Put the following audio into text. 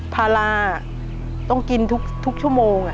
พาราต้องกินทุกชั่วโมง